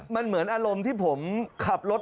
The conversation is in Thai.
มันเหมือนอารมณ์ที่ผมขับรถ